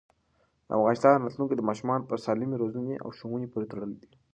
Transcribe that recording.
د افغانستان راتلونکی د ماشومانو په سالمې روزنې او ښوونې پورې تړلی دی.